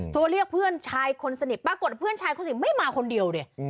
เรียกเพื่อนชายคนสนิทปรากฏเพื่อนชายคนสนิทไม่มาคนเดียวดิ